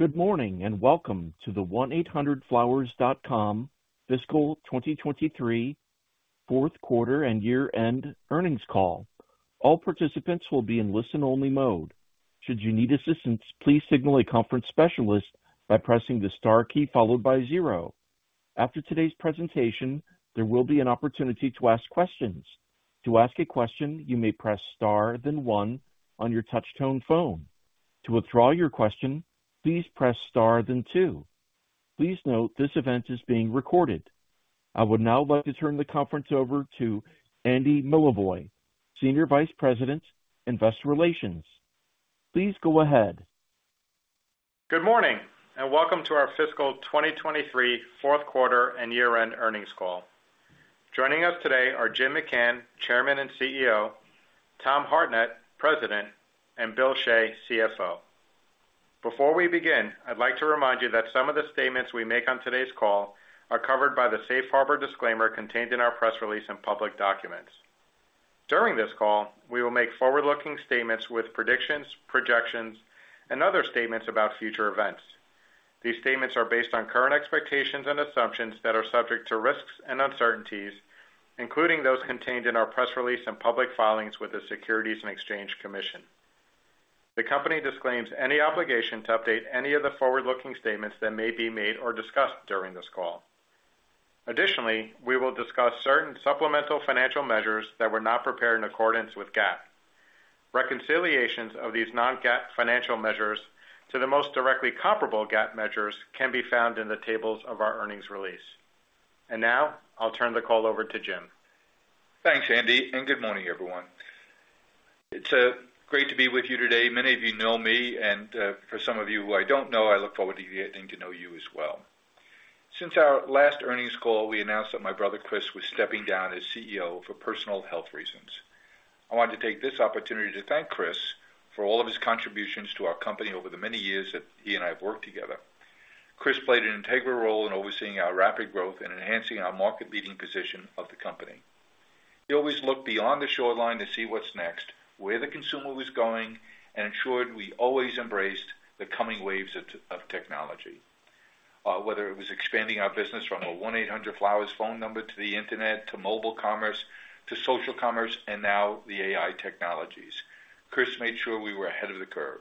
Good morning, and welcome to the 1-800-FLOWERS.COM fiscal 2023 fourth quarter and year-end earnings call. All participants will be in listen-only mode. Should you need assistance, please signal a conference specialist by pressing the star key followed by zero. After today's presentation, there will be an opportunity to ask questions. To ask a question, you may press star, then one on your touchtone phone. To withdraw your question, please press star, then two. Please note, this event is being recorded. I would now like to turn the conference over to Andy Milevoj, Senior Vice President, Investor Relations. Please go ahead. Good morning, and welcome to our fiscal 2023 fourth quarter and year-end earnings call. Joining us today are Jim McCann, Chairman and CEO, Tom Hartnett, President, and Bill Shea, CFO. Before we begin, I'd like to remind you that some of the statements we make on today's call are covered by the Safe Harbor disclaimer contained in our press release and public documents. During this call, we will make forward-looking statements with predictions, projections, and other statements about future events. These statements are based on current expectations and assumptions that are subject to risks and uncertainties, including those contained in our press release and public filings with the Securities and Exchange Commission. The company disclaims any obligation to update any of the forward-looking statements that may be made or discussed during this call. Additionally, we will discuss certain supplemental financial measures that were not prepared in accordance with GAAP. Reconciliations of these non-GAAP financial measures to the most directly comparable GAAP measures can be found in the tables of our earnings release. Now I'll turn the call over to Jim. Thanks, Andy, and good morning, everyone. It's great to be with you today. Many of you know me, and for some of you who I don't know, I look forward to getting to know you as well. Since our last earnings call, we announced that my brother Chris was stepping down as CEO for personal health reasons. I want to take this opportunity to thank Chris for all of his contributions to our company over the many years that he and I have worked together. Chris played an integral role in overseeing our rapid growth and enhancing our market-leading position of the company. He always looked beyond the shoreline to see what's next, where the consumer was going, and ensured we always embraced the coming waves of technology. Whether it was expanding our business from a 1-800-FLOWERS phone number, to the Internet, to mobile commerce, to social commerce, and now the AI technologies. Chris made sure we were ahead of the curve.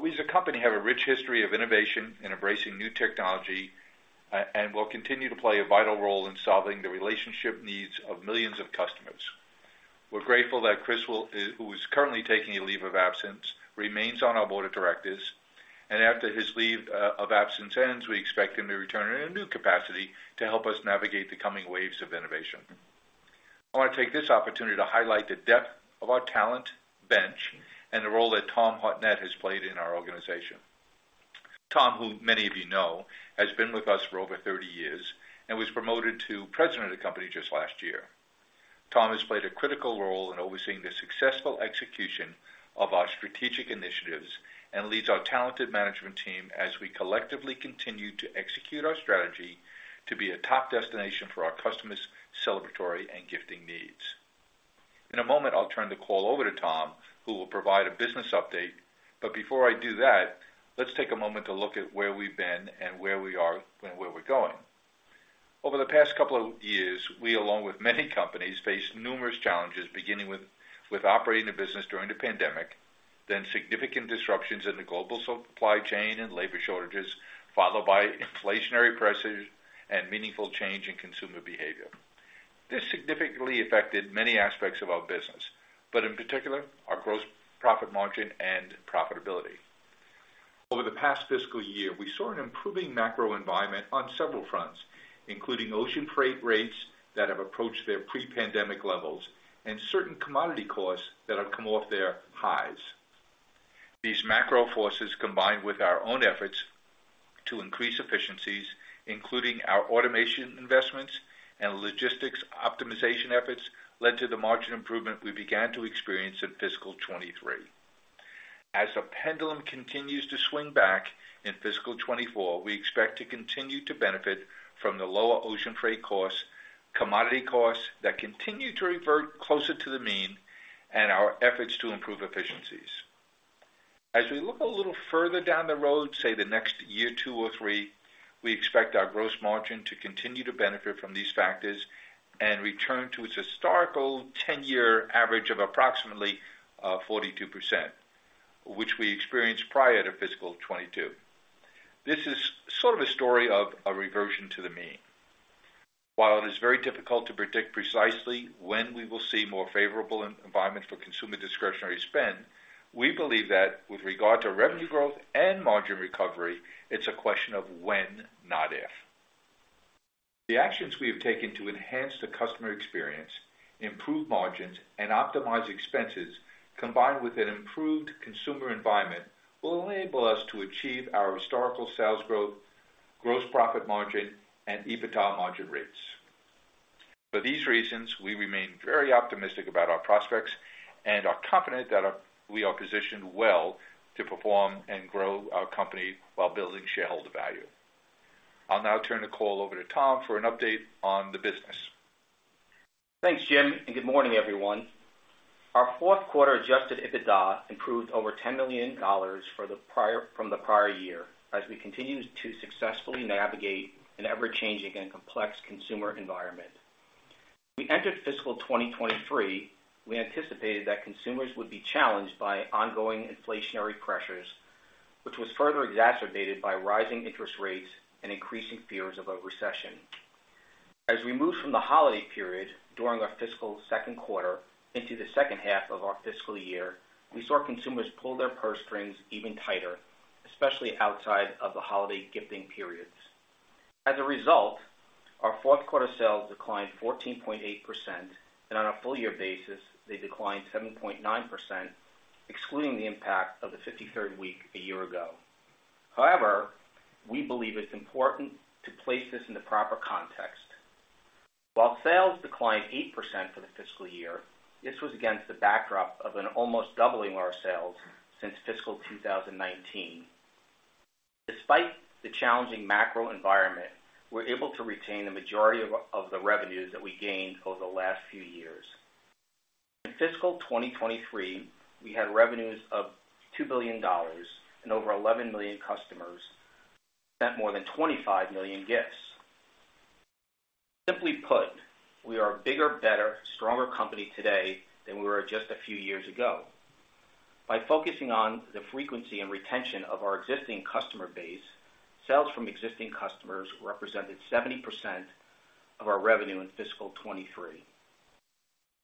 We, as a company, have a rich history of innovation and embracing new technology, and will continue to play a vital role in solving the relationship needs of millions of customers. We're grateful that Chris will, who is currently taking a leave of absence, remains on our board of directors, and after his leave, of absence ends, we expect him to return in a new capacity to help us navigate the coming waves of innovation. I want to take this opportunity to highlight the depth of our talent bench and the role that Tom Hartnett has played in our organization. Tom, who many of you know, has been with us for over 30 years and was promoted to president of the company just last year. Tom has played a critical role in overseeing the successful execution of our strategic initiatives and leads our talented management team as we collectively continue to execute our strategy to be a top destination for our customers' celebratory and gifting needs. In a moment, I'll turn the call over to Tom, who will provide a business update. Before I do that, let's take a moment to look at where we've been and where we are and where we're going. Over the past couple of years, we, along with many companies, faced numerous challenges, beginning with operating a business during the pandemic, then significant disruptions in the global supply chain and labor shortages, followed by inflationary pressures and meaningful change in consumer behavior. This significantly affected many aspects of our business, but in particular, our gross profit margin and profitability. Over the past fiscal year, we saw an improving macro environment on several fronts, including ocean freight rates that have approached their pre-pandemic levels and certain commodity costs that have come off their highs. These macro forces, combined with our own efforts to increase efficiencies, including our automation investments and logistics optimization efforts, led to the margin improvement we began to experience in fiscal 2023. As the pendulum continues to swing back in fiscal 2024, we expect to continue to benefit from the lower ocean freight costs, commodity costs that continue to revert closer to the mean, and our efforts to improve efficiencies. As we look a little further down the road, say, the next year, two or three, we expect our gross margin to continue to benefit from these factors and return to its historical 10-year average of approximately 42%, which we experienced prior to fiscal 2022. This is sort of a story of a reversion to the mean. While it is very difficult to predict precisely when we will see more favorable environments for consumer discretionary spend, we believe that with regard to revenue growth and margin recovery, it's a question of when, not if. The actions we have taken to enhance the customer experience, improve margins, and optimize expenses, combined with an improved consumer environment, will enable us to achieve our historical sales growth, gross profit margin, and EBITDA margin rates. For these reasons, we remain very optimistic about our prospects and are confident that we are positioned well to perform and grow our company while building shareholder value. I'll now turn the call over to Tom for an update on the business.... Thanks, Jim, and good morning, everyone. Our fourth quarter adjusted EBITDA improved over $10 million for the prior, from the prior year, as we continued to successfully navigate an ever-changing and complex consumer environment. We entered fiscal 2023, we anticipated that consumers would be challenged by ongoing inflationary pressures, which was further exacerbated by rising interest rates and increasing fears of a recession. As we moved from the holiday period during our fiscal second quarter into the second half of our fiscal year, we saw consumers pull their purse strings even tighter, especially outside of the holiday gifting periods. As a result, our fourth quarter sales declined 14.8%, and on a full year basis, they declined 7.9%, excluding the impact of the 53rd week a year ago. However, we believe it's important to place this in the proper context. While sales declined 8% for the fiscal year, this was against the backdrop of an almost doubling our sales since fiscal 2019. Despite the challenging macro environment, we're able to retain the majority of the revenues that we gained over the last few years. In fiscal 2023, we had revenues of $2 billion and over 11 million customers, spent more than 25 million gifts. Simply put, we are a bigger, better, stronger company today than we were just a few years ago. By focusing on the frequency and retention of our existing customer base, sales from existing customers represented 70% of our revenue in fiscal 2023.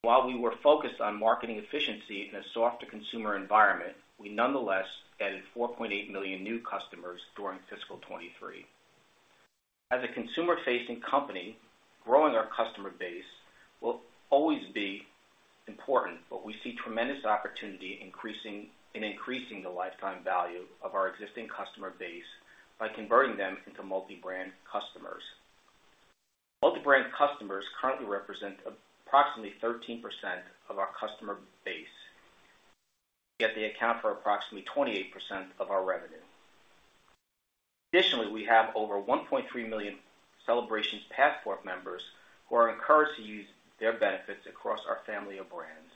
While we were focused on marketing efficiency in a softer consumer environment, we nonetheless added 4.8 million new customers during fiscal 2023. As a consumer-facing company, growing our customer base will always be important, but we see tremendous opportunity in increasing the lifetime value of our existing customer base by converting them into multi-brand customers. Multi-brand customers currently represent approximately 13% of our customer base, yet they account for approximately 28% of our revenue. Additionally, we have over 1.3 million Celebrations Passport members who are encouraged to use their benefits across our family of brands.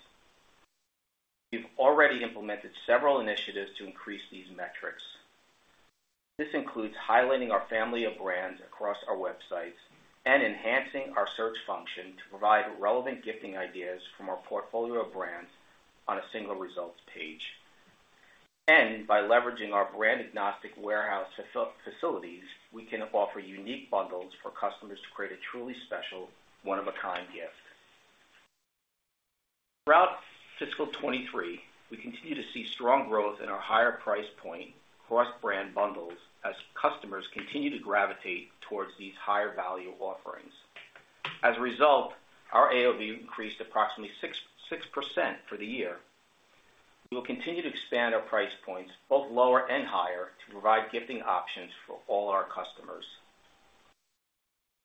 We've already implemented several initiatives to increase these metrics. This includes highlighting our family of brands across our websites and enhancing our search function to provide relevant gifting ideas from our portfolio of brands on a single results page. And by leveraging our brand agnostic warehouse facilities, we can offer unique bundles for customers to create a truly special, one-of-a-kind gift. Throughout fiscal 2023, we continue to see strong growth in our higher price point cross-brand bundles as customers continue to gravitate towards these higher value offerings. As a result, our AOV increased approximately 6.6% for the year. We will continue to expand our price points, both lower and higher, to provide gifting options for all our customers.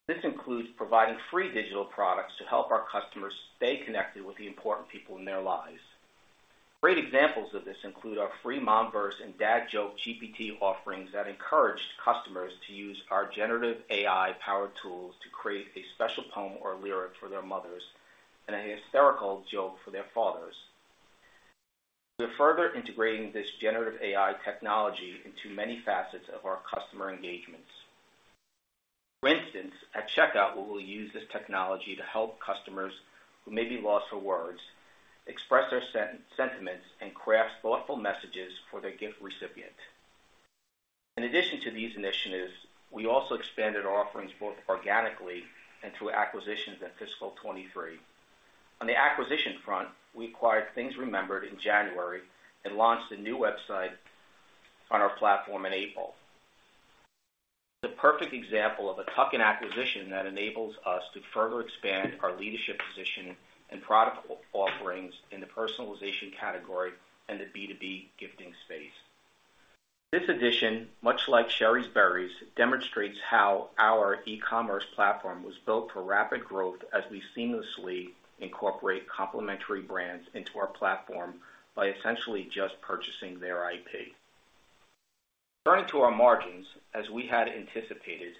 This includes providing free digital products to help our customers stay connected with the important people in their lives. Great examples of this include our free Momverse and Dad Joke GPT offerings that encouraged customers to use our generative AI-powered tools to create a special poem or lyric for their mothers and a hysterical joke for their fathers. We are further integrating this generative AI technology into many facets of our customer engagements. For instance, at checkout, we will use this technology to help customers who may be lost for words, express their sentiments and craft thoughtful messages for their gift recipient. In addition to these initiatives, we also expanded our offerings, both organically and through acquisitions in fiscal 2023. On the acquisition front, we acquired Things Remembered in January and launched a new website on our platform in April. The perfect example of a tuck-in acquisition that enables us to further expand our leadership position and product offerings in the personalization category and the B2B gifting space. This addition, much like Shari's Berries, demonstrates how our e-commerce platform was built for rapid growth as we seamlessly incorporate complementary brands into our platform by essentially just purchasing their IP. Turning to our margins, as we had anticipated,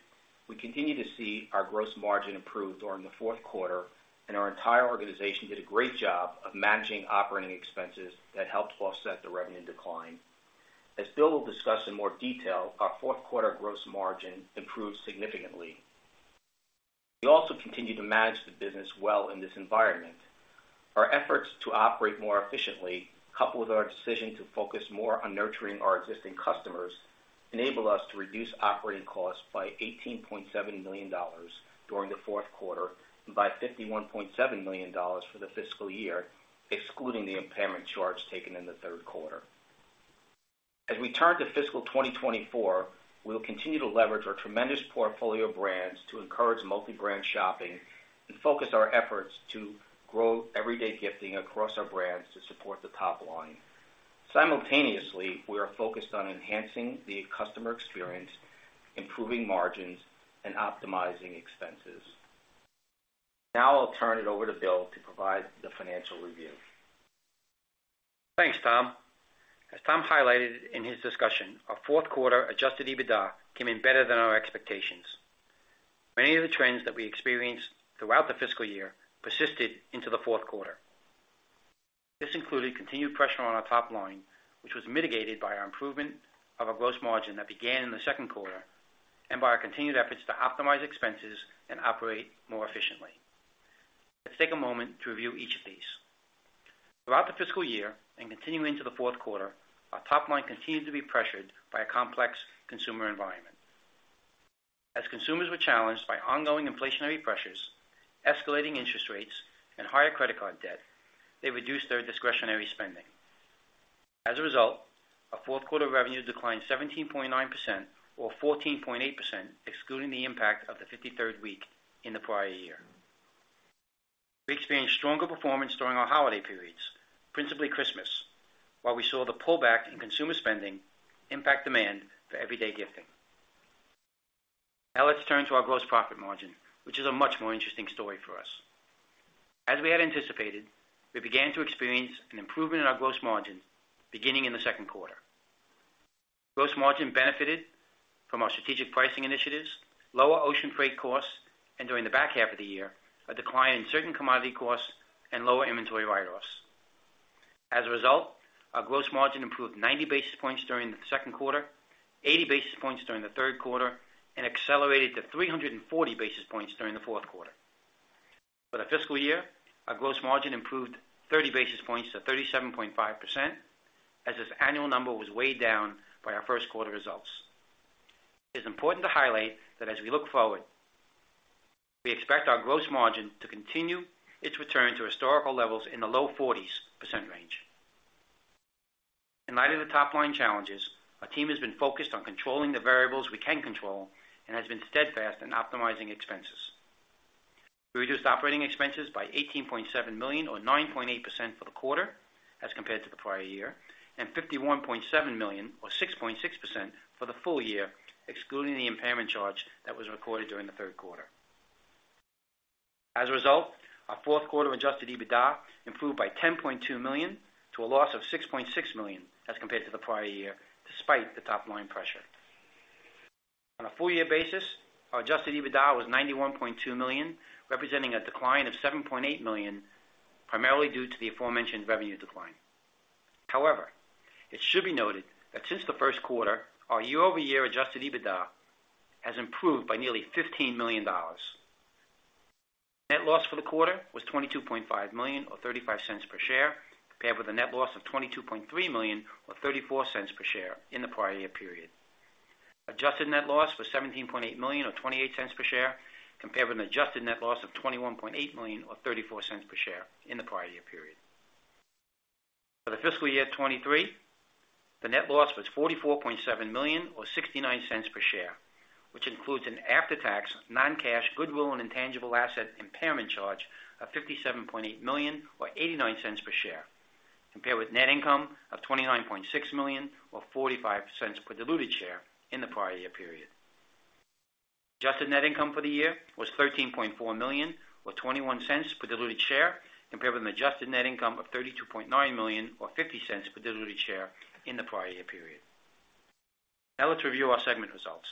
we continue to see our gross margin improve during the fourth quarter, and our entire organization did a great job of managing operating expenses that helped offset the revenue decline. As Bill will discuss in more detail, our fourth quarter gross margin improved significantly. We also continued to manage the business well in this environment. Our efforts to operate more efficiently, coupled with our decision to focus more on nurturing our existing customers, enabled us to reduce operating costs by $18.7 million during the fourth quarter and by $51.7 million for the fiscal year, excluding the impairment charge taken in the third quarter. As we turn to fiscal 2024, we will continue to leverage our tremendous portfolio of brands to encourage multi-brand shopping and focus our efforts to grow everyday gifting across our brands to support the top line. Simultaneously, we are focused on enhancing the customer experience, improving margins, and optimizing expenses. Now I'll turn it over to Bill to provide the financial review.... Thanks, Tom. As Tom highlighted in his discussion, our fourth quarter adjusted EBITDA came in better than our expectations. Many of the trends that we experienced throughout the fiscal year persisted into the fourth quarter. This included continued pressure on our top line, which was mitigated by our improvement of our gross margin that began in the second quarter, and by our continued efforts to optimize expenses and operate more efficiently. Let's take a moment to review each of these. Throughout the fiscal year and continuing into the fourth quarter, our top line continued to be pressured by a complex consumer environment. As consumers were challenged by ongoing inflationary pressures, escalating interest rates, and higher credit card debt, they reduced their discretionary spending. As a result, our fourth quarter revenue declined 17.9% or 14.8%, excluding the impact of the 53rd week in the prior year. We experienced stronger performance during our holiday periods, principally Christmas, while we saw the pullback in consumer spending impact demand for everyday gifting. Now let's turn to our gross profit margin, which is a much more interesting story for us. As we had anticipated, we began to experience an improvement in our gross margin beginning in the second quarter. Gross margin benefited from our strategic pricing initiatives, lower ocean freight costs, and during the back half of the year, a decline in certain commodity costs and lower inventory write-offs. As a result, our gross margin improved 90 basis points during the second quarter, 80 basis points during the third quarter, and accelerated to 340 basis points during the fourth quarter. For the fiscal year, our gross margin improved 30 basis points to 37.5%, as this annual number was weighed down by our first quarter results. It is important to highlight that as we look forward, we expect our gross margin to continue its return to historical levels in the low 40s% range. In light of the top-line challenges, our team has been focused on controlling the variables we can control and has been steadfast in optimizing expenses. We reduced operating expenses by $18.7 million, or 9.8%, for the quarter as compared to the prior year, and $51.7 million, or 6.6%, for the full year, excluding the impairment charge that was recorded during the third quarter. As a result, our fourth quarter adjusted EBITDA improved by $10.2 million to a loss of $6.6 million as compared to the prior year, despite the top-line pressure. On a full year basis, our adjusted EBITDA was $91.2 million, representing a decline of $7.8 million, primarily due to the aforementioned revenue decline. However, it should be noted that since the first quarter, our year-over-year adjusted EBITDA has improved by nearly $15 million. Net loss for the quarter was $22.5 million, or $0.35 per share, compared with a net loss of $22.3 million, or $0.34 per share in the prior year period. Adjusted net loss was $17.8 million or $0.28 per share, compared with an adjusted net loss of $21.8 million or $0.34 per share in the prior year period. For the fiscal year 2023, the net loss was $44.7 million or $0.69 per share, which includes an after-tax, non-cash, goodwill and intangible asset impairment charge of $57.8 million or $0.89 per share, compared with net income of $29.6 million or $0.45 per diluted share in the prior year period. Adjusted net income for the year was $13.4 million or $0.21 per diluted share, compared with an adjusted net income of $32.9 million or $0.50 per diluted share in the prior year period. Now let's review our segment results.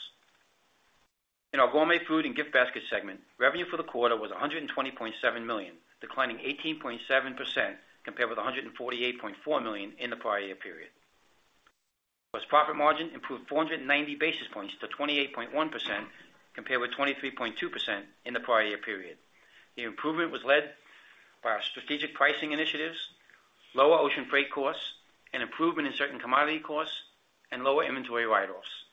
In our Gourmet Food and Gift Baskets segment, revenue for the quarter was $120.7 million, declining 18.7% compared with $148.4 million in the prior year period. Gross profit margin improved 490 basis points to 28.1%, compared with 23.2% in the prior year period. The improvement was led by our strategic pricing initiatives, lower ocean freight costs, an improvement in certain commodity costs, and lower inventory write-offs.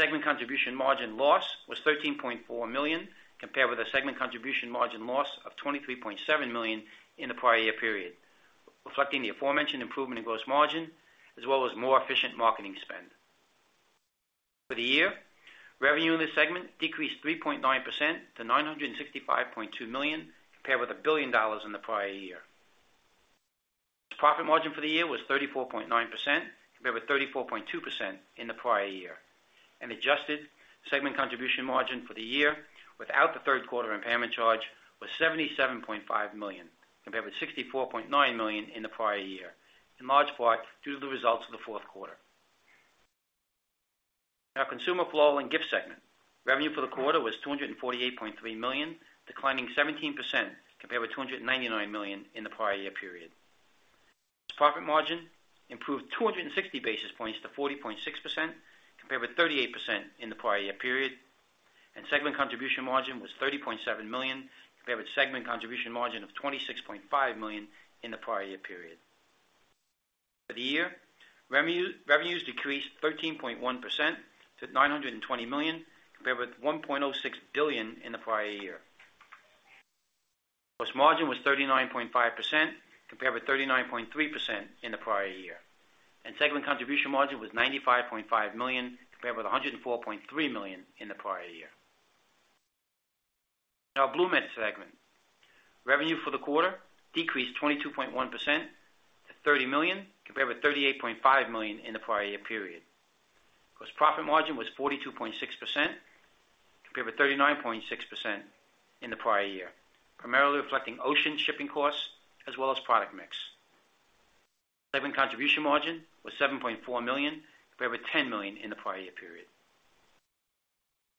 Segment contribution margin loss was $13.4 million, compared with a segment contribution margin loss of $23.7 million in the prior year period, reflecting the aforementioned improvement in gross margin, as well as more efficient marketing spend. For the year, revenue in this segment decreased 3.9% to $965.2 million, compared with $1 billion in the prior year. Profit margin for the year was 34.9%, compared with 34.2% in the prior year. Adjusted segment contribution margin for the year, without the third quarter impairment charge, was $77.5 million, compared with $64.9 million in the prior year, in large part due to the results of the fourth quarter. In our Consumer Floral and Gift segment, revenue for the quarter was $248.3 million, declining 17% compared with $299 million in the prior year period. Profit margin improved 260 basis points to 40.6%, compared with 38% in the prior year period, and segment contribution margin was $30.7 million, compared with segment contribution margin of $26.5 million in the prior year period. For the year, revenues decreased 13.1% to $920 million, compared with $1.06 billion in the prior year. Gross margin was 39.5%, compared with 39.3% in the prior year, and segment contribution margin was $95.5 million, compared with $104.3 million in the prior year. In our BloomNet segment, revenue for the quarter decreased 22.1% to $30 million, compared with $38.5 million in the prior year period. Gross profit margin was 42.6%, compared with 39.6% in the prior year, primarily reflecting ocean shipping costs as well as product mix. Segment contribution margin was $7.4 million, compared with $10 million in the prior year period.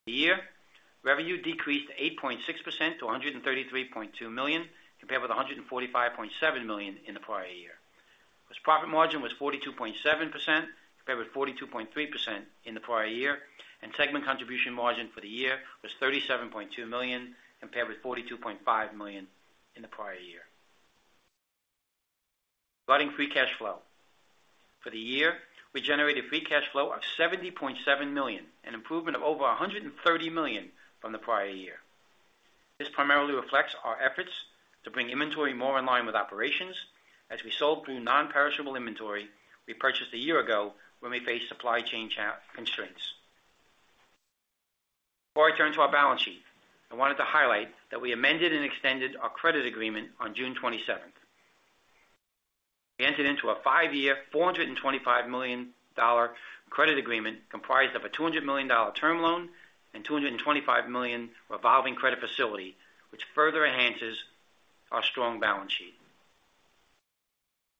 The year, revenue decreased 8.6% to $133.2 million, compared with $145.7 million in the prior year. Gross profit margin was 42.7%, compared with 42.3% in the prior year, and segment contribution margin for the year was $37.2 million, compared with $42.5 million in the prior year. Regarding free cash flow. For the year, we generated free cash flow of $70.7 million, an improvement of over $130 million from the prior year. This primarily reflects our efforts to bring inventory more in line with operations as we sold through non-perishable inventory we purchased a year ago when we faced supply chain constraints. Before I turn to our balance sheet, I wanted to highlight that we amended and extended our credit agreement on June 27th. We entered into a five-year, $425 million credit agreement, comprised of a $200 million term loan and $225 million revolving credit facility, which further enhances our strong balance sheet.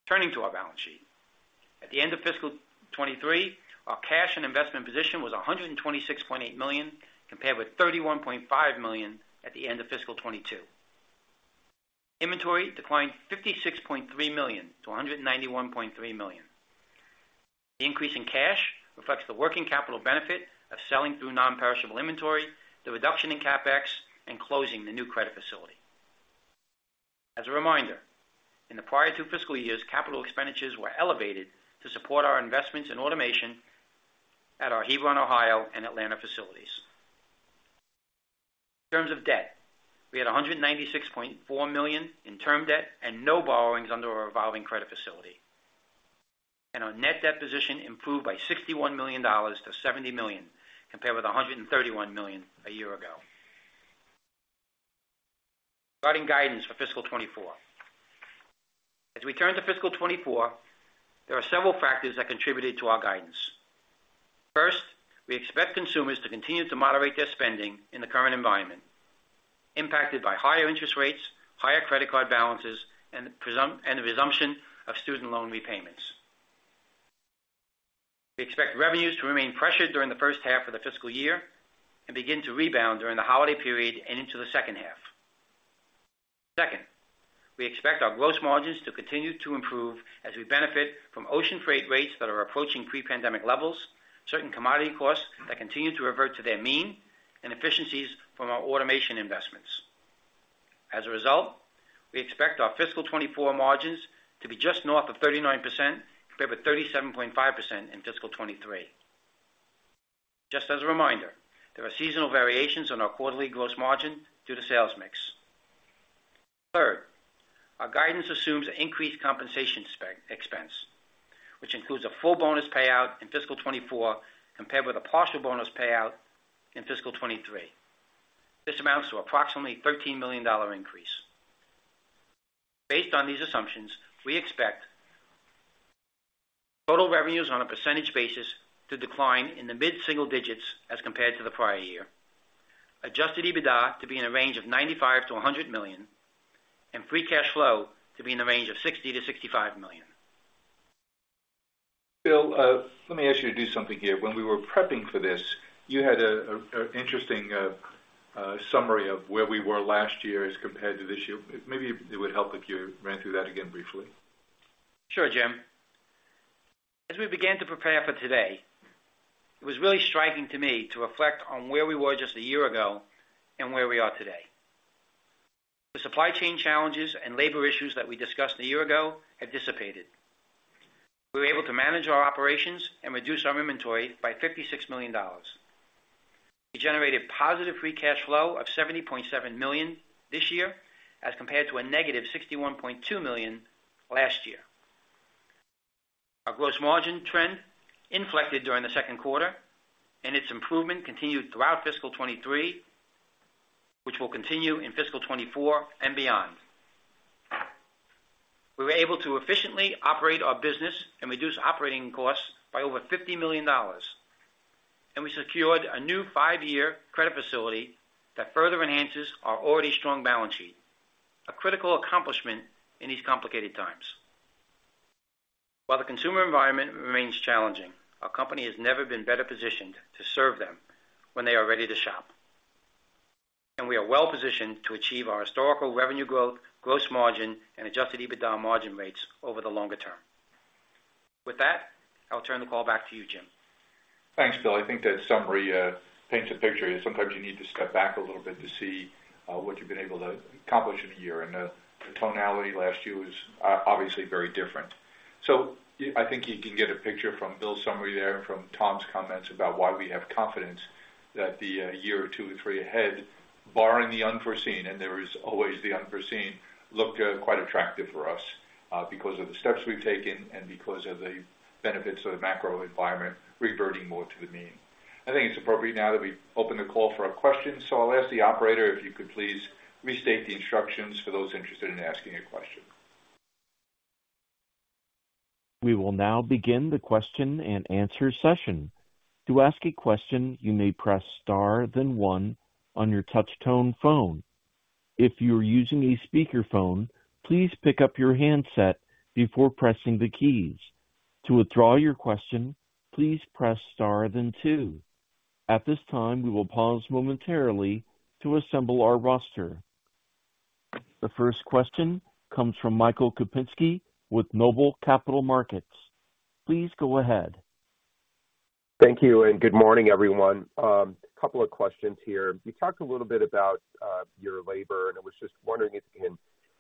Turning to our balance sheet. At the end of fiscal 2023, our cash and investment position was $126.8 million, compared with $31.5 million at the end of fiscal 2022. Inventory declined $56.3 million to $191.3 million. The increase in cash reflects the working capital benefit of selling through non-perishable inventory, the reduction in CapEx, and closing the new credit facility. As a reminder, in the prior two fiscal years, capital expenditures were elevated to support our investments in automation at our Hebron, Ohio, and Atlanta facilities. In terms of debt, we had $196.4 million in term debt and no borrowings under our revolving credit facility. Our net debt position improved by $61 million to $70 million, compared with $131 million a year ago. Regarding guidance for fiscal 2024. As we turn to fiscal 2024, there are several factors that contributed to our guidance. First, we expect consumers to continue to moderate their spending in the current environment, impacted by higher interest rates, higher credit card balances, and the resumption of student loan repayments. We expect revenues to remain pressured during the first half of the fiscal year and begin to rebound during the holiday period and into the second half. Second, we expect our gross margins to continue to improve as we benefit from ocean freight rates that are approaching pre-pandemic levels, certain commodity costs that continue to revert to their mean, and efficiencies from our automation investments. As a result, we expect our fiscal 2024 margins to be just north of 39%, compared with 37.5% in fiscal 2023. Just as a reminder, there are seasonal variations on our quarterly gross margin due to sales mix. Third, our guidance assumes increased compensation expense, which includes a full bonus payout in fiscal 2024, compared with a partial bonus payout in fiscal 2023. This amounts to approximately $13 million increase. Based on these assumptions, we expect total revenues on a percentage basis to decline in the mid-single digits as compared to the prior year, adjusted EBITDA to be in a range of $95 million-$100 million, and free cash flow to be in the range of $60 million-$65 million. Bill, let me ask you to do something here. When we were prepping for this, you had an interesting summary of where we were last year as compared to this year. Maybe it would help if you ran through that again briefly. Sure, Jim. As we began to prepare for today, it was really striking to me to reflect on where we were just a year ago and where we are today. The supply chain challenges and labor issues that we discussed a year ago have dissipated. We were able to manage our operations and reduce our inventory by $56 million. We generated positive free cash flow of $70.7 million this year, as compared to a negative $61.2 million last year. Our gross margin trend inflected during the second quarter, and its improvement continued throughout fiscal 2023, which will continue in fiscal 2024 and beyond. We were able to efficiently operate our business and reduce operating costs by over $50 million, and we secured a new five-year credit facility that further enhances our already strong balance sheet, a critical accomplishment in these complicated times. While the consumer environment remains challenging, our company has never been better positioned to serve them when they are ready to shop. We are well positioned to achieve our historical revenue growth, gross margin, and adjusted EBITDA margin rates over the longer term. With that, I'll turn the call back to you, Jim. Thanks, Bill. I think that summary paints a picture. Sometimes you need to step back a little bit to see what you've been able to accomplish in a year, and the tonality last year was obviously very different. So I think you can get a picture from Bill's summary there, from Tom's comments about why we have confidence that the year or two or three ahead, barring the unforeseen, and there is always the unforeseen, look quite attractive for us because of the steps we've taken and because of the benefits of the macro environment reverting more to the mean. I think it's appropriate now that we open the call for our questions, so I'll ask the operator if you could please restate the instructions for those interested in asking a question. We will now begin the question and answer session. To ask a question, you may press star then one on your touchtone phone. If you are using a speakerphone, please pick up your handset before pressing the keys. To withdraw your question, please press star then two. At this time, we will pause momentarily to assemble our roster. The first question comes from Michael Kupinski with Noble Capital Markets. Please go ahead. Thank you, and good morning, everyone. Couple of questions here. You talked a little bit about your labor, and I was just wondering if you can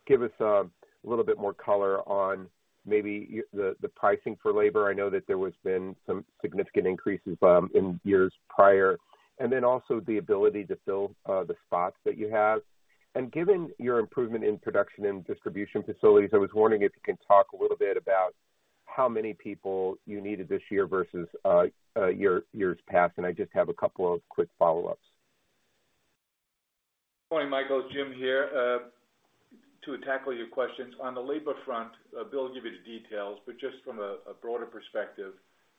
give us a little bit more color on maybe the pricing for labor. I know that there has been some significant increases in years prior, and then also the ability to fill the spots that you have. And given your improvement in production and distribution facilities, I was wondering if you can talk a little bit about how many people you needed this year versus years past, and I just have a couple of quick follow-ups. Morning, Michael. Jim here. To tackle your questions, on the labor front, Bill will give you the details, but just from a broader perspective,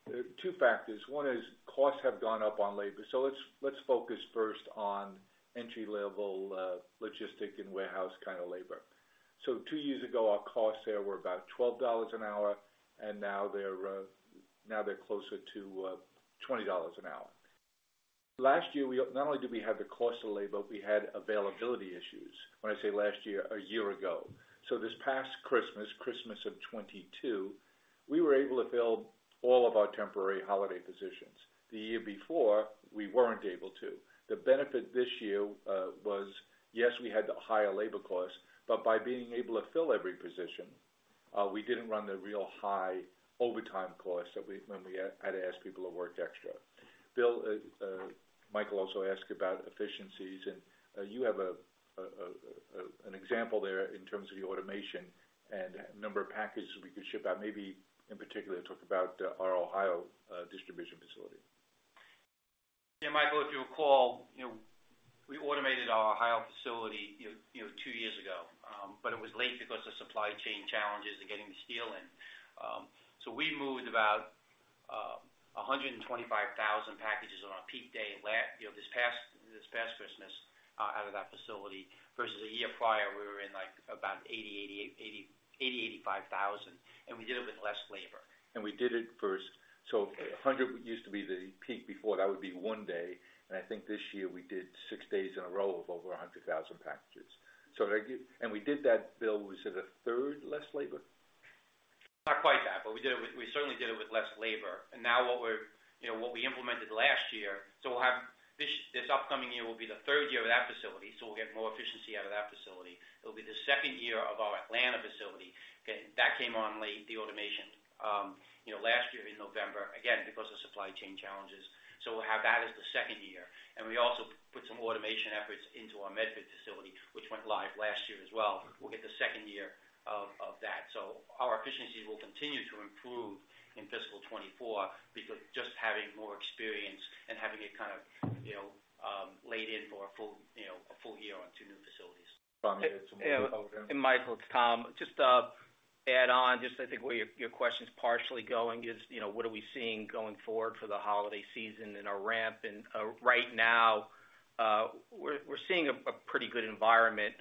there are two factors. One is, costs have gone up on labor, so let's focus first on entry-level logistic and warehouse kind of labor. So two years ago, our costs there were about $12 an hour, and now they're now they're closer to $20 an hour. Last year, not only did we have the cost of labor, we had availability issues. When I say last year, a year ago. So this past Christmas, Christmas of 2022, we were able to fill all of our temporary holiday positions. The year before, we weren't able to. The benefit this year was, yes, we had the higher labor costs, but by being able to fill every position, we didn't run the real high overtime costs that we... When we had to ask people to work extra. Bill, Michael also asked about efficiencies, and you have an example there in terms of the automation and number of packages we could ship out, maybe in particular, talk about our Ohio distribution facility. Yeah, Michael, if you recall, you know, we automated our Ohio facility, you know, two years ago, but it was late because of supply chain challenges and getting the steel in. So we moved about 125,000 packages on our peak day last—you know, this past, this past Christmas, out of that facility, versus the year prior, we were in, like, about 80, 88, 80, 85,000, and we did it with less labor. And we did it first. So 100 used to be the peak before. That would be one day, and I think this year we did six days in a row of over 100,000 packages. So they give and we did that, Bill, was it a third less labor? Not quite that, but we did it with—we certainly did it with less labor. And now what we're, you know, what we implemented last year, so we'll have this, this upcoming year will be the third year of that facility, so we'll get more efficiency out of that facility. It'll be the second year of our Atlanta facility. Okay? That came on late, the automation, you know, last year in November, again, because of supply chain challenges. So we'll have that as the second year, and we also put some automation efforts into our Medford facility, which went live last year as well. We'll get the second year of that. So our efficiencies will continue to improve in fiscal 2024 because just having more experience and having it kind of, you know, laid in for a full, you know, a full year on two new facilities. Michael, it's Tom. Just to add on, I think where your question's partially going is, you know, what are we seeing going forward for the holiday season and our ramp? And right now, we're seeing a pretty good environment.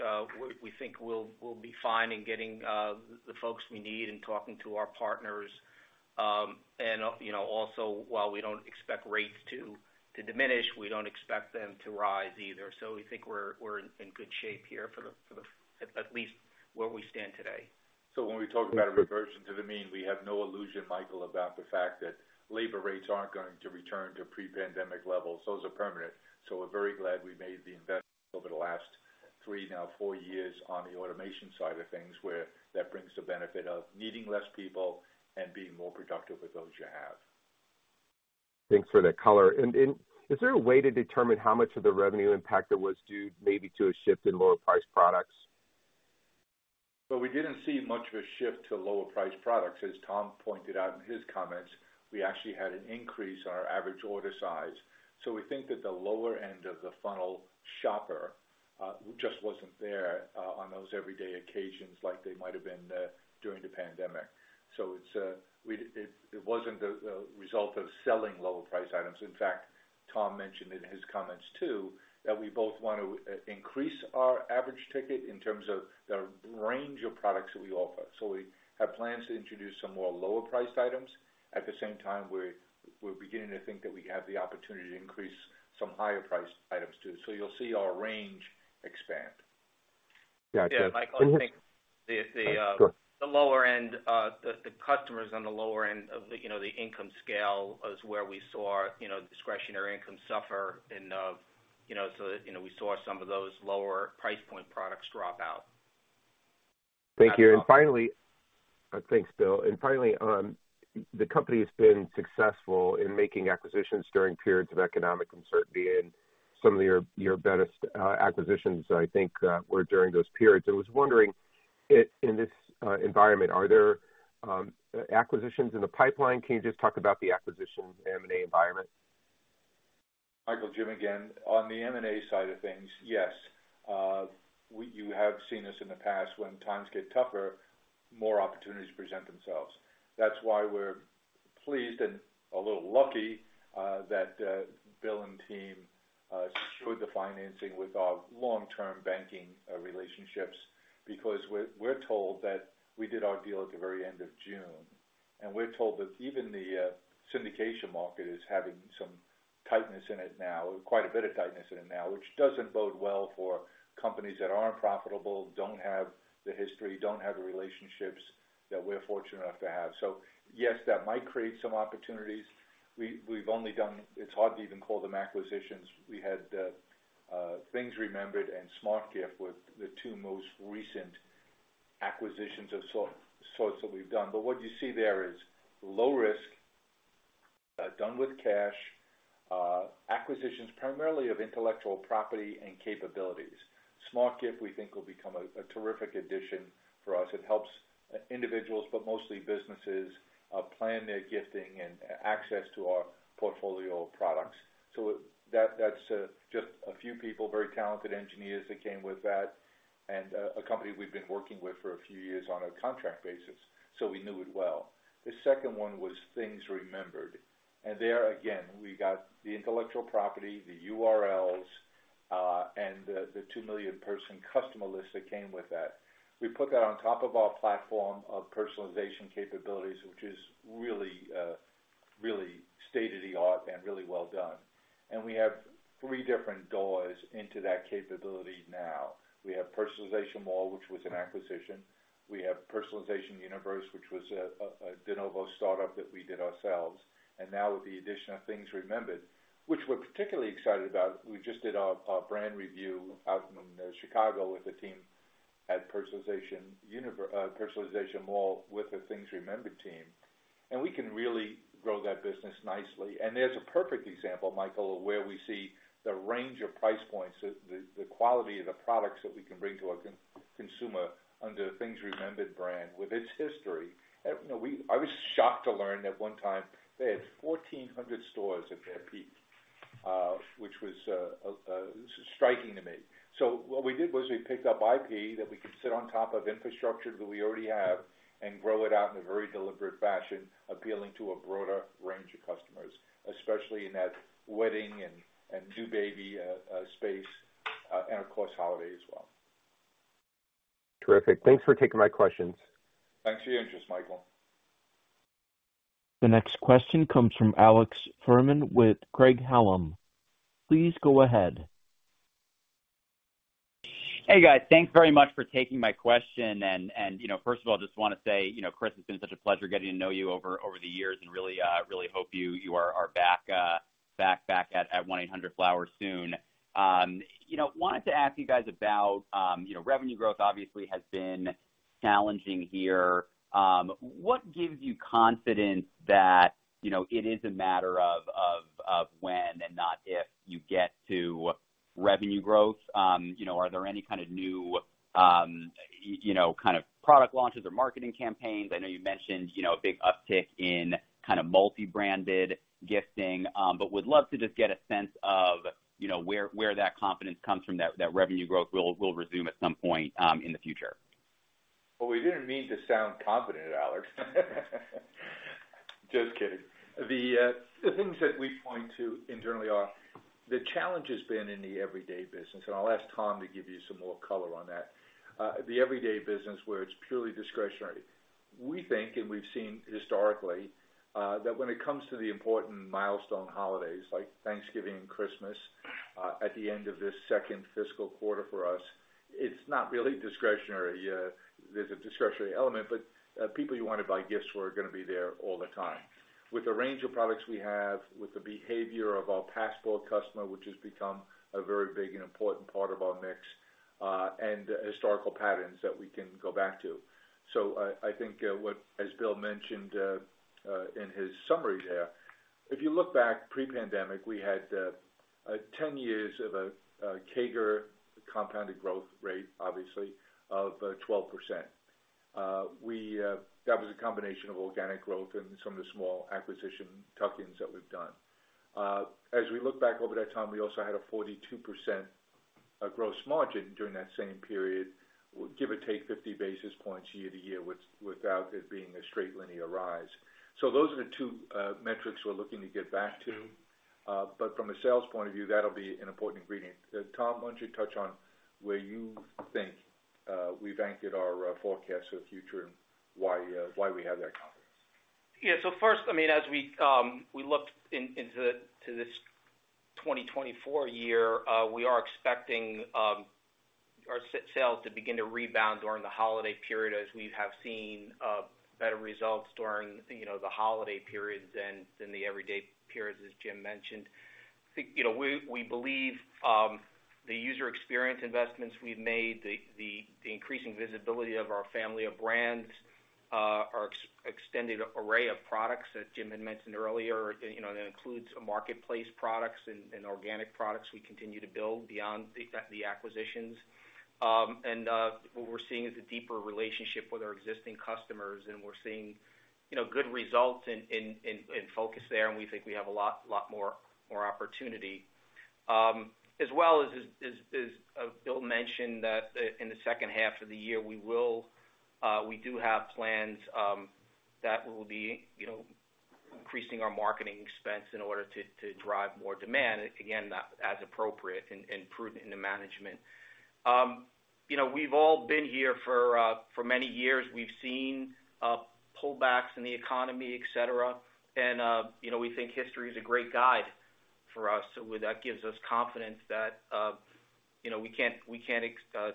We think we'll be fine in getting the folks we need in talking to our partners. And you know, also, while we don't expect rates to diminish, we don't expect them to rise either. So we think we're in good shape here for the... At least where we stand today. When we talk about a reversion to the mean, we have no illusion, Michael, about the fact that labor rates aren't going to return to pre-pandemic levels. Those are permanent. We're very glad we made the investment over the last three, now four years on the automation side of things, where that brings the benefit of needing less people and being more productive with those you have. Thanks for the color. And, is there a way to determine how much of the revenue impact it was due maybe to a shift in lower priced products? So we didn't see much of a shift to lower priced products. As Tom pointed out in his comments, we actually had an increase in our average order size. So we think that the lower end of the funnel shopper just wasn't there on those everyday occasions like they might have been during the pandemic. So it's -- it wasn't the result of selling lower priced items. In fact, Tom mentioned in his comments, too, that we both want to increase our average ticket in terms of the range of products that we offer. So we have plans to introduce some more lower priced items. At the same time, we're beginning to think that we have the opportunity to increase some higher priced items, too. So you'll see our range expand. Gotcha. Yeah, Michael, I think the- Sure. The lower end, the customers on the lower end of the, you know, the income scale is where we saw, you know, discretionary income suffer and, you know, so, you know, we saw some of those lower price point products drop out. Thank you. And finally, thanks, Bill. And finally, the company has been successful in making acquisitions during periods of economic uncertainty, and some of your, your best acquisitions, I think, were during those periods. I was wondering in this environment, are there acquisitions in the pipeline? Can you just talk about the acquisitions M&A environment?... Michael, Jim, again, on the M&A side of things, yes, you have seen this in the past, when times get tougher, more opportunities present themselves. That's why we're pleased and a little lucky that Bill and team secured the financing with our long-term banking relationships, because we're told that we did our deal at the very end of June, and we're told that even the syndication market is having some tightness in it now, quite a bit of tightness in it now, which doesn't bode well for companies that aren't profitable, don't have the history, don't have the relationships that we're fortunate enough to have. So yes, that might create some opportunities. We've only done - it's hard to even call them acquisitions. We had Things Remembered and SmartGift were the two most recent acquisitions of sorts that we've done. But what you see there is low risk, done with cash, acquisitions, primarily of intellectual property and capabilities. SmartGift, we think, will become a terrific addition for us. It helps individuals, but mostly businesses, plan their gifting and access to our portfolio of products. So that's just a few people, very talented engineers that came with that, and a company we've been working with for a few years on a contract basis, so we knew it well. The second one was Things Remembered, and there, again, we got the intellectual property, the URLs, and the two million-person customer list that came with that. We put that on top of our platform of personalization capabilities, which is really, really state-of-the-art and really well done. We have three different doors into that capability now. We have Personalization Mall, which was an acquisition. We have Personalization Universe, which was a de novo startup that we did ourselves. Now with the addition of Things Remembered, which we're particularly excited about, we just did a brand review out in Chicago with the team at Personalization Mall, with the Things Remembered team, and we can really grow that business nicely. There's a perfect example, Michael, of where we see the range of price points, the quality of the products that we can bring to our consumer under the Things Remembered brand. With its history, you know, I was shocked to learn that one time they had 1,400 stores at their peak, which was striking to me. So what we did was we picked up IP that we could sit on top of infrastructure that we already have and grow it out in a very deliberate fashion, appealing to a broader range of customers, especially in that wedding and new baby space, and of course, holiday as well. Terrific. Thanks for taking my questions. Thanks for your interest, Michael. The next question comes from Alex Fuhrman with Craig-Hallum. Please go ahead. Hey, guys, thanks very much for taking my question. You know, first of all, I just wanna say, you know, Chris, it's been such a pleasure getting to know you over the years, and really hope you are back at 1-800-FLOWERS soon. You know, wanted to ask you guys about, you know, revenue growth obviously has been challenging here. What gives you confidence that, you know, it is a matter of when and not if you get to revenue growth? You know, are there any kind of new, you know, kind of product launches or marketing campaigns? I know you mentioned, you know, a big uptick in kind of multi-branded gifting, but would love to just get a sense of, you know, where that confidence comes from, that revenue growth will resume at some point in the future. Well, we didn't mean to sound confident, Alex. Just kidding. The things that we point to internally are, the challenge has been in the everyday business, and I'll ask Tom to give you some more color on that. The everyday business, where it's purely discretionary. We think, and we've seen historically, that when it comes to the important milestone holidays like Thanksgiving and Christmas, at the end of this second fiscal quarter for us, it's not really discretionary. There's a discretionary element, but people who want to buy gifts are gonna be there all the time. With the range of products we have, with the behavior of our passport customer, which has become a very big and important part of our mix, and historical patterns that we can go back to. So I think, as Bill mentioned, in his summary there, if you look back pre-pandemic, we had 10 years of a CAGR, compounded growth rate, obviously, of 12%. That was a combination of organic growth and some of the small acquisition tuck-ins that we've done. As we look back over that time, we also had a 42% gross margin during that same period, give or take 50 basis points year-to-year, without it being a straight linear rise. So those are the two metrics we're looking to get back to. But from a sales point of view, that'll be an important ingredient. Tom, why don't you touch on where you think we've anchored our forecast for the future and why we have that confidence? Yeah. So first, I mean, as we look into this 2024 year, we are expecting our sales to begin to rebound during the holiday period, as we have seen better results during, you know, the holiday periods than the everyday periods, as Jim mentioned. I think, you know, we believe the user experience investments we've made, the increasing visibility of our family of brands, our extended array of products, as Jim had mentioned earlier, you know, that includes marketplace products and organic products we continue to build beyond the acquisitions. And what we're seeing is a deeper relationship with our existing customers, and we're seeing, you know, good results in focus there, and we think we have a lot more opportunity. As well as Bill mentioned, that in the second half of the year, we will, we do have plans that will be, you know, increasing our marketing expense in order to drive more demand, again, as appropriate and prudent in the management. You know, we've all been here for many years. We've seen pullbacks in the economy, et cetera. And you know, we think history is a great guide for us. So with that gives us confidence that, you know, we can't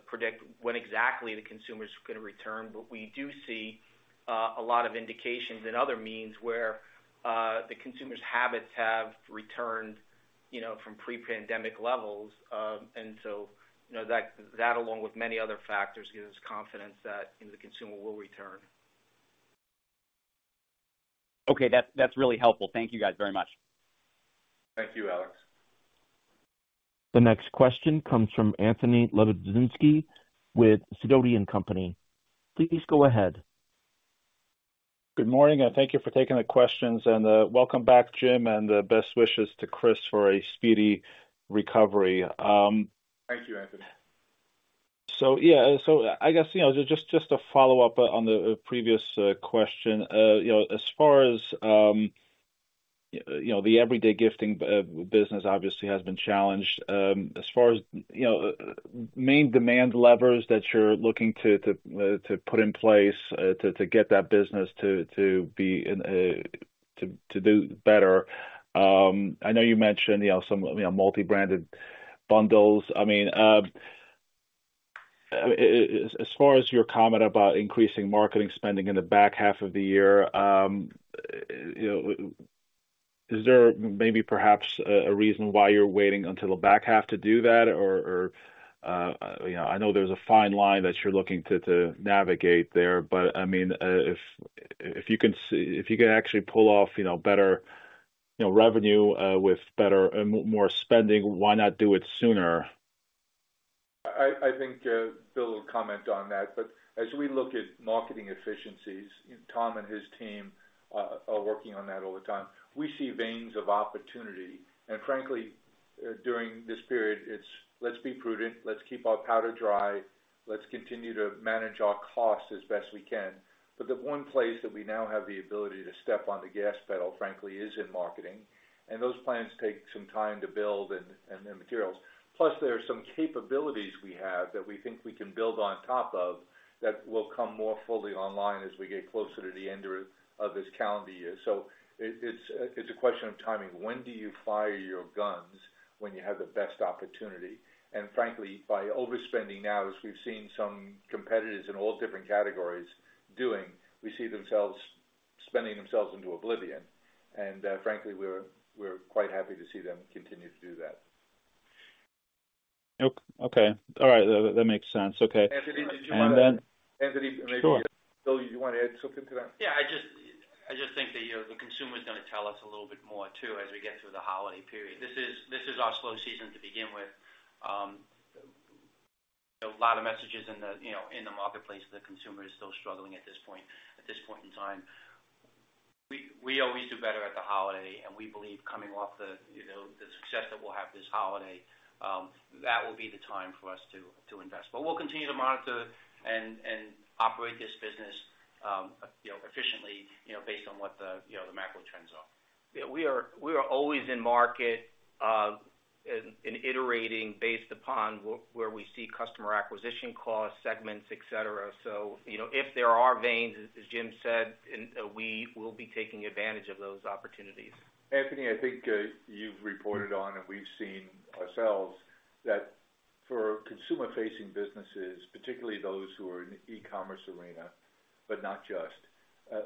predict when exactly the consumer is gonna return, but we do see a lot of indications and other means where the consumer's habits have returned, you know, from pre-pandemic levels. And so, you know, that along with many other factors, gives us confidence that, you know, the consumer will return. Okay, that's really helpful. Thank you, guys, very much. Thank you, Alex. The next question comes from Anthony Lebiedzinski with Sidoti & Company. Please go ahead. Good morning, and thank you for taking the questions, and welcome back, Jim, and best wishes to Chris for a speedy recovery. Thank you, Anthony. So, yeah, so I guess, you know, just, just to follow up on the, previous, question. You know, as far as, you know, the everyday gifting, business obviously has been challenged. As far as, you know, main demand levers that you're looking to, to, to put in place, to, to get that business to, to be in, to, to do better. I know you mentioned, you know, some, you know, multi-branded bundles. I mean, as far as your comment about increasing marketing spending in the back half of the year, you know, is there maybe perhaps a, a reason why you're waiting until the back half to do that? You know, I know there's a fine line that you're looking to navigate there, but I mean, if you can actually pull off, you know, better, you know, revenue with better, more spending, why not do it sooner? I think Bill will comment on that. But as we look at marketing efficiencies, and Tom and his team are working on that all the time, we see veins of opportunity. And frankly, during this period, it's let's be prudent, let's keep our powder dry, let's continue to manage our costs as best we can. But the one place that we now have the ability to step on the gas pedal, frankly, is in marketing, and those plans take some time to build and the materials. Plus, there are some capabilities we have that we think we can build on top of, that will come more fully online as we get closer to the end of this calendar year. So it's a question of timing. When do you fire your guns when you have the best opportunity? Frankly, by overspending now, as we've seen some competitors in all different categories doing, we see themselves spending themselves into oblivion. Frankly, we're quite happy to see them continue to do that. Okay. All right, that, that makes sense. Okay. Anthony, did you wanna- And then- Anthony- Sure. Bill, do you want to add something to that? Yeah, I just think that, you know, the consumer is gonna tell us a little bit more, too, as we get through the holiday period. This is our slow season to begin with. A lot of messages in the, you know, in the marketplace, the consumer is still struggling at this point, at this point in time. We always do better at the holiday, and we believe coming off the, you know, the success that we'll have this holiday, that will be the time for us to invest. But we'll continue to monitor and operate this business, you know, efficiently, you know, based on what the, you know, the macro trends are. Yeah, we are always in market, and iterating based upon where we see customer acquisition costs, segments, et cetera. You know, if there are wins, as Jim said, and we will be taking advantage of those opportunities. Anthony, I think, you've reported on, and we've seen ourselves, that for consumer-facing businesses, particularly those who are in the e-commerce arena, but not just,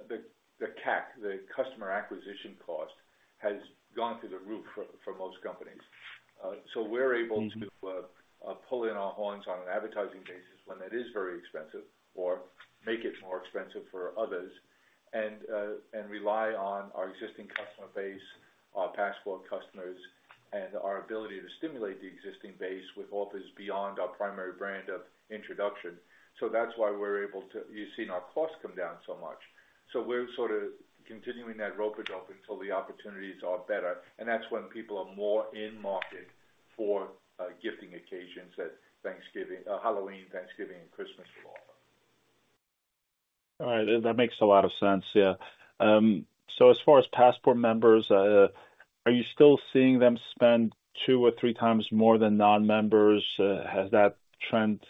the CAC, the customer acquisition cost, has gone through the roof for most companies. So we're able- Mm-hmm. - to pull in our horns on an advertising basis when it is very expensive or make it more expensive for others, and rely on our existing customer base, our Passport customers, and our ability to stimulate the existing base with offers beyond our primary brand of introduction. So that's why we're able to... You've seen our costs come down so much. So we're sort of continuing that rope-a-dope until the opportunities are better, and that's when people are more in market for gifting occasions at Thanksgiving, Halloween, Thanksgiving, and Christmas for all. All right. That makes a lot of sense. Yeah. So as far as Passport members, are you still seeing them spend two or three times more than non-members? Has that trend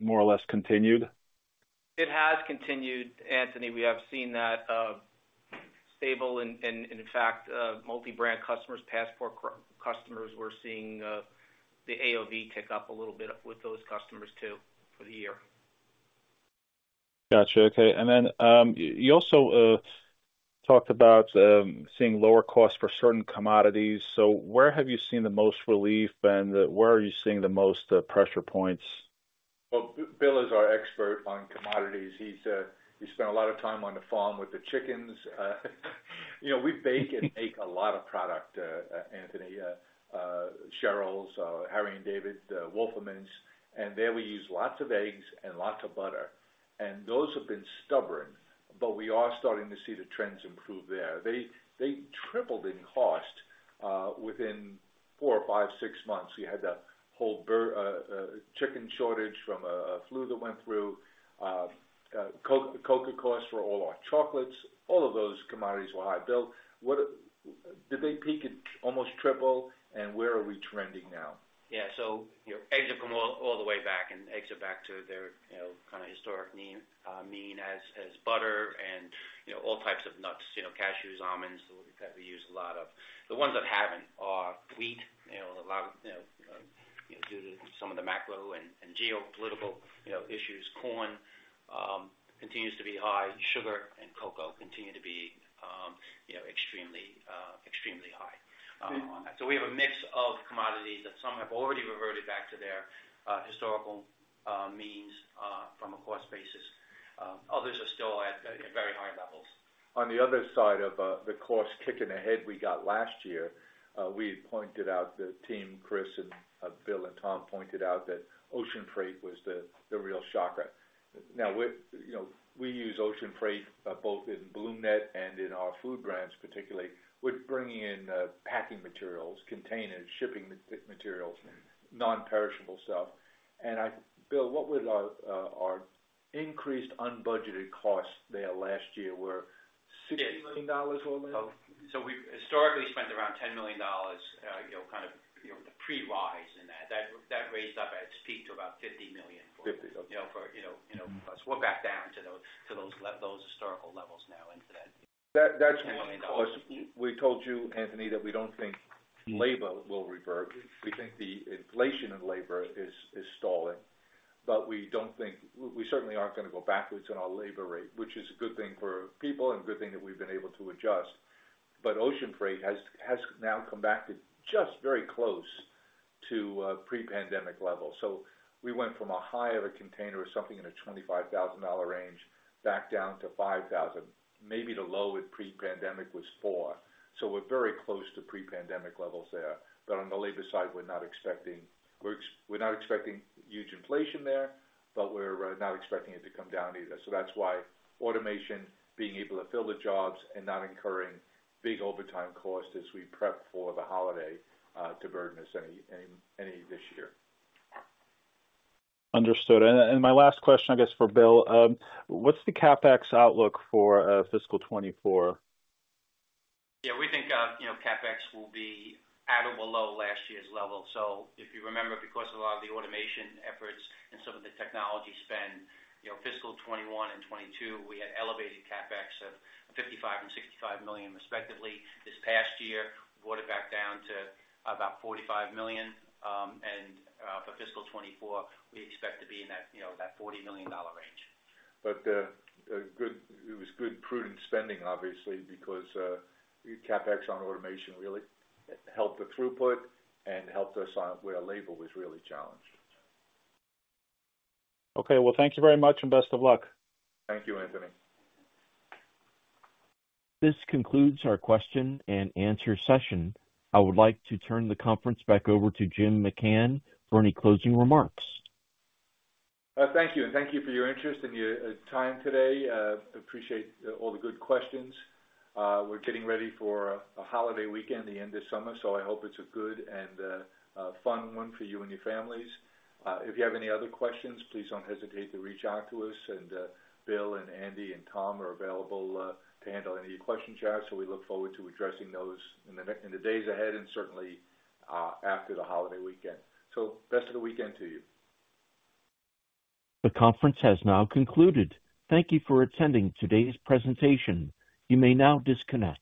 more or less continued? It has continued, Anthony. We have seen that stable and, in fact, multi-brand customers, Passport customers, we're seeing the AOV tick up a little bit with those customers, too, for the year. Gotcha. Okay. And then, you also talked about seeing lower costs for certain commodities. So where have you seen the most relief, and where are you seeing the most pressure points? Well, Bill is our expert on commodities. He spent a lot of time on the farm with the chickens. You know, we bake and make a lot of product, Anthony, Cheryl's, Harry & David, Wolferman's, and there we use lots of eggs and lots of butter. And those have been stubborn, but we are starting to see the trends improve there. They tripled in cost within four or five, six months. You had that whole bir- chicken shortage from a flu that went through. Cocoa costs for all our chocolates. All of those commodities were high. Bill, what? Did they peak at almost triple, and where are we trending now? Yeah, so, you know, eggs have come all the way back, and eggs are back to their, you know, kind of historic mean as butter and, you know, all types of nuts, you know, cashews, almonds, that we use a lot of. The ones that haven't are wheat, you know, due to some of the macro and geopolitical, you know, issues. Corn continues to be high. Sugar and cocoa continue to be, you know, extremely high on that. So we have a mix of commodities that some have already reverted back to their historical means from a cost basis. Others are still at very high levels. On the other side of the cost kick in the head we got last year, we had pointed out the team, Chris and Bill, and Tom pointed out that ocean freight was the real shocker. Now, you know, we use ocean freight both in BloomNet and in our food brands, particularly. We're bringing in packing materials, containers, shipping materials, non-perishable stuff. And Bill, what would our, our increased unbudgeted costs there last year were, $60 million or more? So we historically spent around $10 million, you know, kind of, you know, pre-rise in that. That raised up at its peak to about $50 million- Fifty. You know, plus we're back down to those historical levels now and to that- That's been, of course. We told you, Anthony, that we don't think labor will revert. We think the inflation in labor is stalling, but we don't think, we certainly aren't gonna go backwards in our labor rate, which is a good thing for people and a good thing that we've been able to adjust. But ocean freight has now come back to just very close to pre-pandemic levels. So we went from a high of a container of something in the $25,000 range back down to $5,000. Maybe the low at pre-pandemic was $4,000. So we're very close to pre-pandemic levels there. But on the labor side, we're not expecting huge inflation there, but we're not expecting it to come down either. So that's why automation, being able to fill the jobs and not incurring big overtime costs as we prep for the holiday, differed in this this year. Understood. And my last question, I guess, for Bill, what's the CapEx outlook for fiscal 2024? Yeah, we think, you know, CapEx will be at or below last year's level. So if you remember, because of a lot of the automation efforts and some of the technology spend, you know, fiscal 2021 and 2022, we had elevated CapEx of $55 million and $65 million respectively. This past year, brought it back down to about $45 million. And for fiscal 2024, we expect to be in that, you know, that $40 million range. But, it was good, prudent spending, obviously, because CapEx on automation really helped the throughput and helped us on where labor was really challenged. Okay. Well, thank you very much, and best of luck. Thank you, Anthony. This concludes our question and answer session. I would like to turn the conference back over to Jim McCann for any closing remarks. Thank you, and thank you for your interest and your time today. Appreciate all the good questions. We're getting ready for a holiday weekend, the end of summer, so I hope it's a good and a fun one for you and your families. If you have any other questions, please don't hesitate to reach out to us, and Bill, and Andy, and Tom are available to handle any questions you have. So we look forward to addressing those in the next- in the days ahead and certainly after the holiday weekend. So best of the weekend to you. The conference has now concluded. Thank you for attending today's presentation. You may now disconnect.